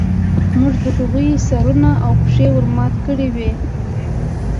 موږ د هغوی سرونه او پښې ورماتې کړې وې